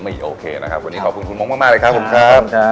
มีโอเคนะครับวันนี้ขอบคุณคุณมองมากมากเลยครับผมครับขอบคุณครับ